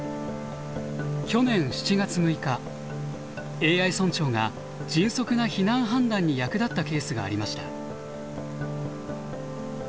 ＡＩ村長が迅速な避難判断に役立ったケースがありました。